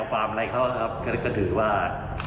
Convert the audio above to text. สวัสดีครับคุณผู้ชาย